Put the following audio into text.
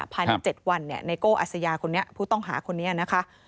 ภายใน๗วันเนี่ยไนโก้อัสยาคนนี้ผู้ต้องหาคนนี้นะคะ